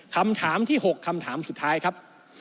คำถามที่๖คำถามสุดท้ายครับ